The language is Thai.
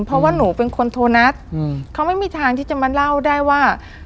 เพราะว่าหนูเป็นคนโทรนัดเขาไม่มีทางที่จะมาเล่าได้ว่า